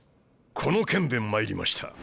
この件でまいりました。